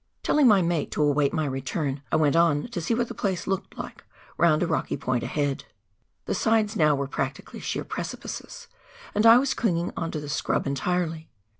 Telling my mate to await my return, I went on to see what the place looked like round a rocky point ahead. The sides now were practically sheer precipices, and I was clinging on to the scrub entirely.